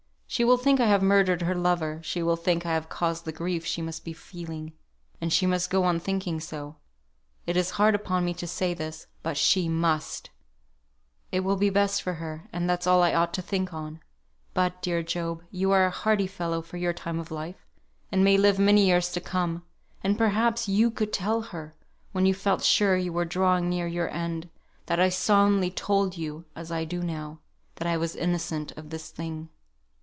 She will think I have murdered her lover; she will think I have caused the grief she must be feeling. And she must go on thinking so. It is hard upon me to say this; but she must. It will be best for her, and that's all I ought to think on. But, dear Job, you are a hearty fellow for your time of life, and may live a many years to come; and perhaps you could tell her, when you felt sure you were drawing near your end, that I solemnly told you (as I do now) that I was innocent of this thing.